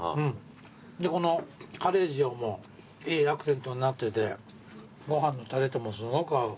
でこのカレー塩もいいアクセントになっててご飯のたれともすごく合う。